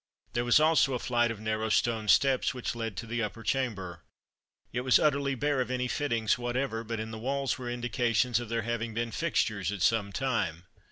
There was also a flight of narrow stone steps which led to the upper chamber. It was utterly bare of any fittings whatever; but in the walls were indications of there having been fixtures at some time.